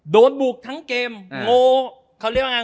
โดนบุกทั้งเกมโง่เขาเรียกว่าไง